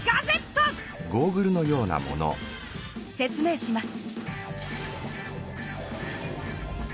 説明します。